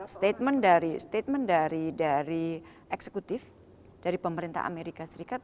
statement dari statement dari eksekutif dari pemerintah amerika serikat